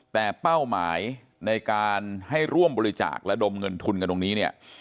แต่เป้าหมายในการให้ร่วมบริจาคระดมเงินทุนกันตรงนี้เนี่ย